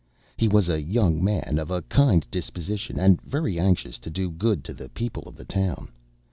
He was a young man of a kind disposition, and very anxious to do good to the people of the town.